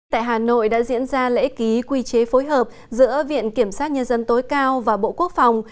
tại hà nội đã diễn ra lễ ký quy chế phối hợp giữa viện kiểm sát nhân dân tối cao và bộ quốc phòng